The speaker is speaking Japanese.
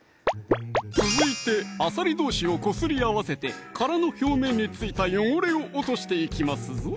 続いてあさりどうしをこすり合わせて殻の表面に付いた汚れを落としていきますぞ